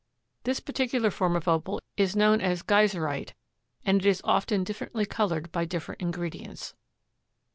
This particular form of Opal is known as geyserite, and it is often differently colored by different ingredients.